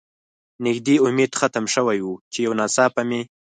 نږدې امید ختم شوی و، چې یو ناڅاپه مې.